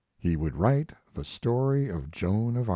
He would write the story of Joan of Arc.